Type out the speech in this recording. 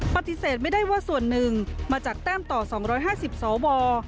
ปฏิเสธไม่ได้ว่าส่วนหนึ่งมาจากแต้มต่อ๒๕๐สว